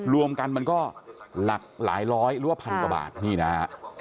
รวมกันมันก็หลากหลายร้อยหรือว่าพันกว่าบาทนี่นะฮะ